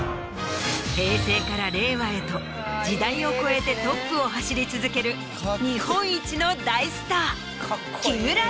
平成から令和へと時代を超えてトップを走り続ける日本一の大スター。